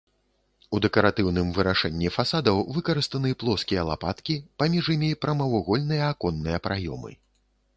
У дэкаратыўным вырашэнні фасадаў выкарыстаны плоскія лапаткі, паміж імі прамавугольныя аконныя праёмы.